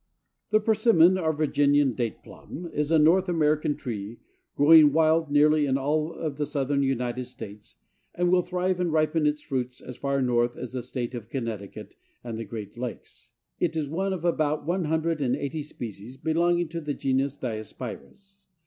The Persimmon, or Virginian Date Plum, is a North American tree, growing wild in nearly all of the Southern United States, and will thrive and ripen its fruits as far north as the state of Connecticut and the great lakes. It is one of about one hundred and eighty species belonging to the genus Diospyros.